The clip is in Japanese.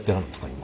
今。